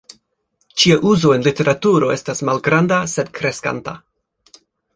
Ĝia uzo en literaturo estas malgranda sed kreskanta.